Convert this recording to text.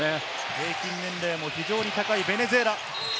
平均年齢も非常に高いベネズエラ。